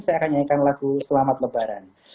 saya akan nyanyikan lagu selamat lebaran